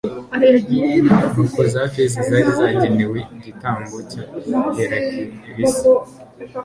nuko za feza zari zagenewe igitambo cya herakelesi